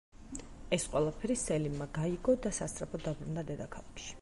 ეს ყველაფერი სელიმმა გაიგო და სასწრაფოდ დაბრუნდა დედაქალაქში.